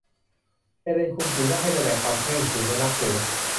เฮเลนคุมสีหน้าให้แสดงความเคร่งขรึมและนับถือ